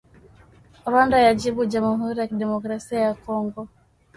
Rwanda yajibu jamhuri ya kidemokrasia ya Kongo